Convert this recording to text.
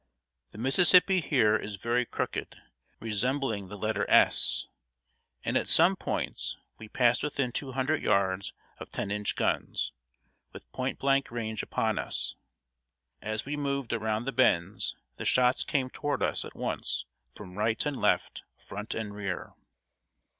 The Mississippi here is very crooked, resembling the letter S, and at some points we passed within two hundred yards of ten inch guns, with point blank range upon us. As we moved around the bends, the shots came toward us at once from right and left, front and rear.